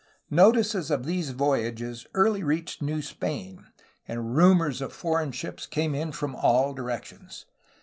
Notice of these voyages early reached New Spain, and rumors of foreign ships came in from all directions.